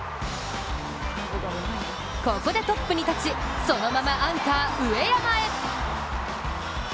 ここでトップに立ちそのままアンカー・上山へ。